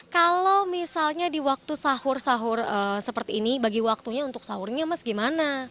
kalau misalnya di waktu sahur sahur seperti ini bagi waktunya untuk sahurnya mas gimana